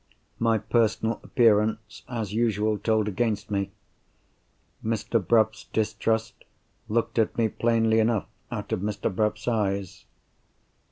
My personal appearance (as usual) told against me. Mr. Bruff's distrust looked at me plainly enough out of Mr. Bruff's eyes.